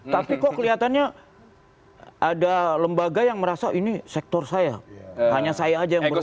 tapi kok kelihatannya ada lembaga yang merasa ini sektor saya hanya saya saja yang beruntu